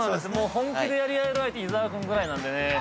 本気でやり合える相手伊沢君ぐらいなんでね。